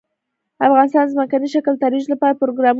افغانستان د ځمکنی شکل د ترویج لپاره پروګرامونه لري.